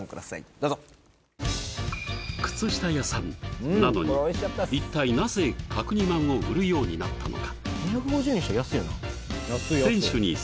どうぞ靴下屋さんなのに一体なぜ角煮まんを売るようになったのか？